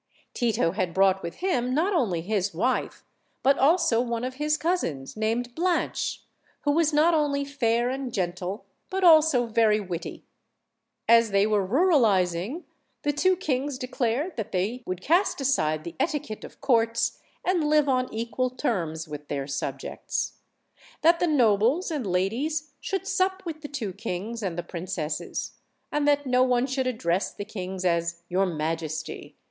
Tito had brought with him not only his wife, but also one of his cousins, named Blanche, who was not only fair and gentle, but also very witty. As they were ruralizing the two kings declared that they would cast aside the etiquette of courts, and live on equal terms with their subjects; that the nobles and ladies should sup with the OLD, OLD FAlhY TALES. 109 tvro kings and the princesses, and that no one should address the kings as "your majesty."